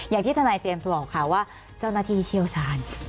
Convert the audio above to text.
อย่างที่ทนายเจมส์บอกค่ะว่าเจ้าหน้าที่เชี่ยวชาญ